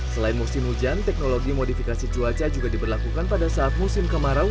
selain musim hujan teknologi modifikasi cuaca juga diberlakukan pada saat musim kemarau